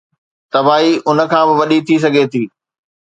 تباهي ان کان به وڏي ٿي سگهي ٿي.